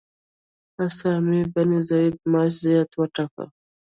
اسامه بن زید معاش زیات وټاکه.